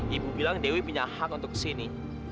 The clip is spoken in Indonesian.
ibu bilang dewi punya hak untuk ke sini